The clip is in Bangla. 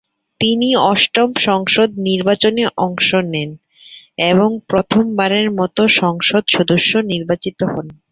তিনি অষ্টম সংসদ নির্বাচনে অংশ নেন এবং প্রথম বারের মত সংসদ সদস্য নির্বাচিত হন।